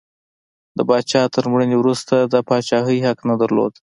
د پاچا تر مړینې وروسته د پاچاهۍ حق نه درلود.